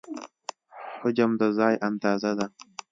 حجم د ځای اندازه ده.